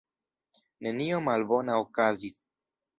Nenio malbona okazis.